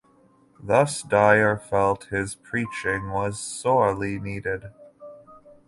Thus Dyer felt his preaching was sorely needed.